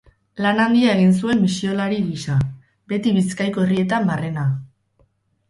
Lan handia egin zuen misiolari gisa, beti Bizkaiko herrietan barrena.